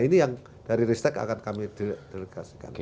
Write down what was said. ini yang dari ristek akan kami delegasikan